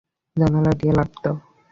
জানালা দিয়ে লাফ দাও।